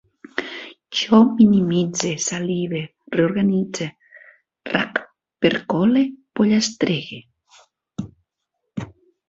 Jo minimitze, salive, reorganitze, rac, percole, pollastrege